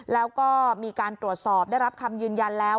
แล้วก็มีการตรวจสอบได้รับคำยืนยันแล้ว